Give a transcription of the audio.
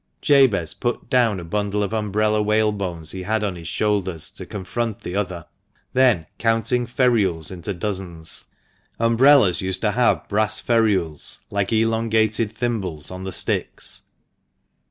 Jabez put down a bundle of umbrella whalebones he had on his shoulder, to confront the other, then counting ferules into dozens. Umbrellas used to have brass ferules, like elongated thimbles, on the sticks.